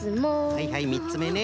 はいはい３つめね。